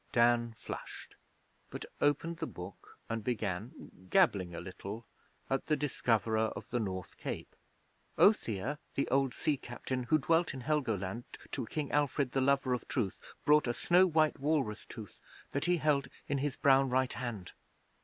Dan flushed, but opened the book and began gabbling a little at 'The Discoverer of the North Cape.' 'Othere, the old sea captain, Who dwelt in Helgoland, To King Alfred, the lover of truth, Brought a snow white walrus tooth, That he held in his brown right hand.'